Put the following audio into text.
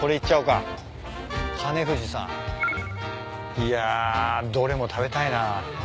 いやどれも食べたいな。